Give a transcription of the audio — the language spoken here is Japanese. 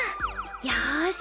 よし！